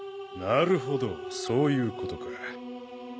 なるほどそういうことか。